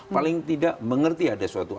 paling tidak mengerti ada suatu